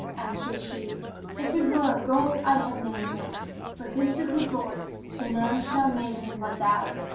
Answered she, "If it were a girl I had named her; but this is a boy, so none shall name him but thou."